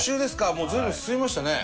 もう随分進みましたねえ。